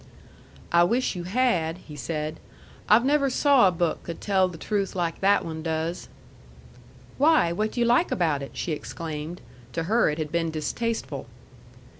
"I wish you had," he said. "I've never saw a book could tell the truth like that one does." "Why, what do you like about it?" she exclaimed. To her it had been distasteful.